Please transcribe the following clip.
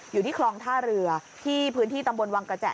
อยู่ที่คลองท่าเรือที่พื้นที่ตำบลวังกระแจ